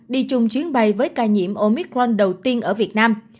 đi chung chuyến bay với ca nhiễm omicron đầu tiên ở việt nam